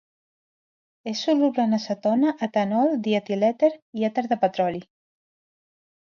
És soluble en acetona, etanol, dietilèter i èter de petroli.